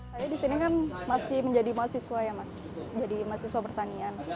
saya disini kan masih menjadi mahasiswa ya mas jadi mahasiswa pertanian